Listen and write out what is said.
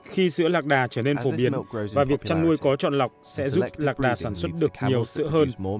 khi sữa lạc đà trở nên phổ biến và việc chăn nuôi có trọn lọc sẽ giúp lạc đà sản xuất được nhiều sữa hơn